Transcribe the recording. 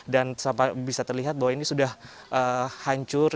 dan bisa terlihat bahwa ini sudah hancur